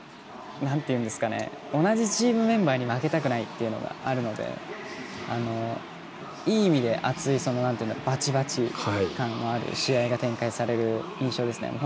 同じチームメンバーに負けたくないっていうのがあるのでいい意味で熱いバチバチ感のある試合が展開される印象ですね。